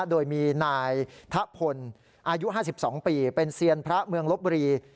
โดยมีนายทะพลอายุ๕๒ปีเป็นเซียนพระเมืองลบบุรี